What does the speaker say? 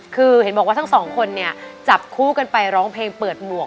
คือเห็นบอกว่าทั้งสองคนเนี่ยจับคู่กันไปร้องเพลงเปิดหมวก